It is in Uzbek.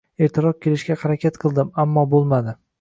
Ertaroq kelishga harakat qildim, ammo bo'lmadi.